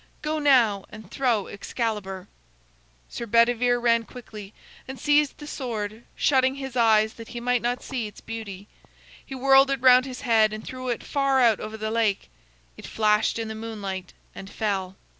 Go now, and throw Excalibur." Sir Bedivere ran quickly and seized the sword, shutting his eyes that he might not see its beauty. He whirled it round his head and threw it far out over the lake. It flashed in the moonlight and fell.